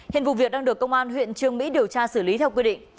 hiện vụ việc đang được công an huyện trương mỹ điều tra xử lý theo quy định